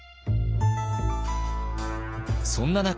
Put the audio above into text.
そんな中